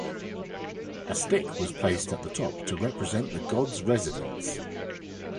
A stick was placed at the top to represent the god's residence.